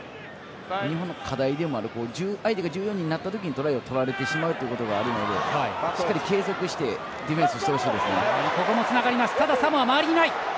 日本の課題でもある相手が１４になったときにトライを取られてしまうということがあるのでしっかり継続してディフェンスしてほしいですね。